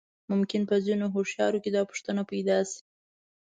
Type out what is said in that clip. ممکن په ځينې هوښيارو کې دا پوښتنه پيدا شي.